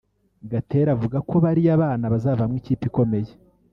Gatera avuga ko bariya bana bazavamo ikipe ikomeye